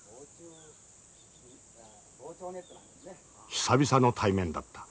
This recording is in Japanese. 久々の対面だった。